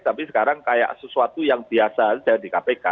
tapi sekarang kayak sesuatu yang biasa aja di kpk